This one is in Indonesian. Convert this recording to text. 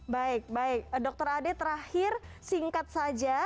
baik baik dokter ade terakhir singkat saja